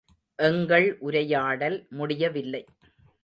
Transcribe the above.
எங்கள் உரையாடல் முடியவில்லை.